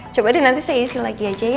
coba deh nanti saya isi lagi aja ya